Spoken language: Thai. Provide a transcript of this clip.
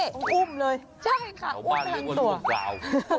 ต้องอุ้มเลยของบ้านนี้กว่าลูกกล่าวใช่ค่ะอุ้มลงตัว